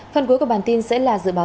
phần cuối của bản tin sẽ là dự báo